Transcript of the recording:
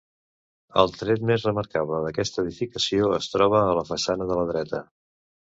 El tret més remarcable d'aquesta edificació es troba a la façana de la dreta.